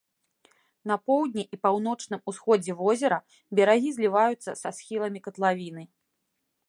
На поўдні і паўночным усходзе возера берагі зліваюцца са схіламі катлавіны.